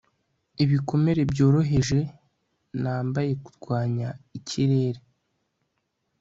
ibikomere byoroheje. nambaye kurwanya ikirere